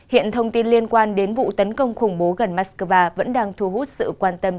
hiện thông tin liên quan đến vụ tấn công khủng bố gần moscow vẫn đang thu hút sự quan tâm